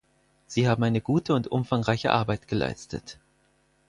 Sie haben eine gute und umfangreiche Arbeit geleistet.